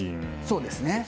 そうですね。